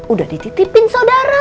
udah dititipin sodara